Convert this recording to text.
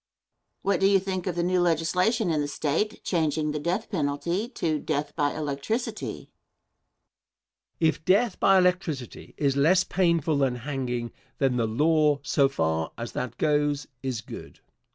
What do you think of the new legislation in the State changing the death penalty to death by electricity? Answer. If death by electricity is less painful than hanging, then the law, so far as that goes, is good.